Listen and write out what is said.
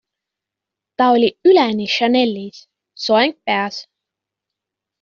Ta oli üleni Chanelis, soeng peas.